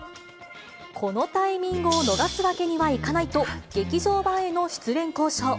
このタイミングを逃すわけにはいかないと、劇場版への出演交渉。